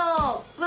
うわ